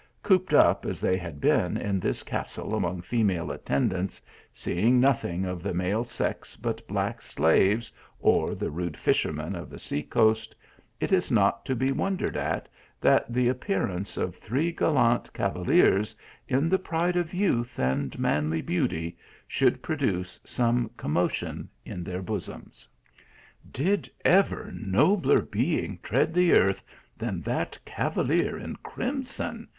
Cooped up as they had been in this castle among female attendants, seeing nothing "f the male sex but black slaves, or the rude fishermen of the sea coast, it is not to be wondered at, that the ap pearance of three gallant cavaliers in the pride of youth and manly beauty should produce some com motion in their bosoms. " Did ever nobler being tread the earth, than that cavalier in crimson?"